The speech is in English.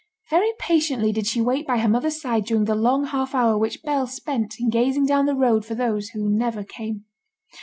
Very patiently did she wait by her mother's side during the long half hour which Bell spent in gazing down the road for those who never came.